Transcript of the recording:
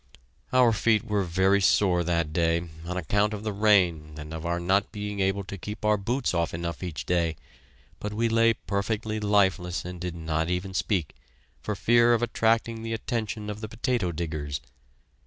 Our feet were very sore that day, on account of the rain and of our not being able to keep our boots off enough each day, but we lay perfectly lifeless and did not even speak, for fear of attracting the attention of the potato diggers.